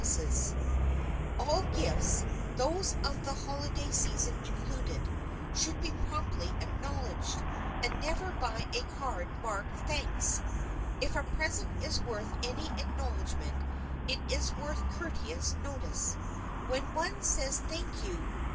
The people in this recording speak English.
[Sidenote: SINCERE GRATITUDE] All gifts, those of the holiday season included, should be promptly acknowledged, and never by a card marked "Thanks." If a present is worth any acknowledgment, it is worth courteous notice. When one says "Thank you!"